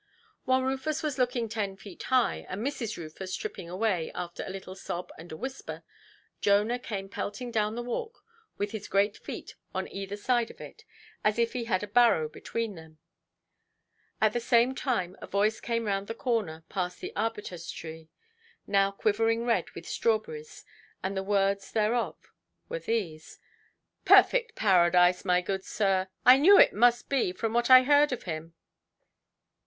While Rufus was looking ten feet high, and Mrs. Rufus tripping away, after a little sob and a whisper, Jonah came pelting down the walk with his great feet on either side of it, as if he had a barrow between them. At the same time a voice came round the corner past the arbutus–tree, now quivering red with strawberries, and the words thereof were these: "Perfect Paradise, my good sir! I knew it must be, from what I heard of him.